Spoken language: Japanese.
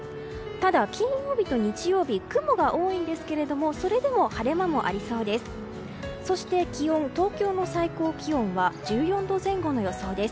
ただ、金曜日と日曜日雲が多いんですけれどもそれでも晴れ間もありそうです。